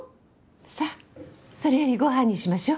さそれよりご飯にしましょう。